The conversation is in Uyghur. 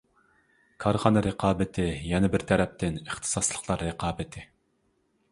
كارخانا رىقابىتى يەنە بىر تەرەپتىن ئىختىساسلىقلار رىقابىتى.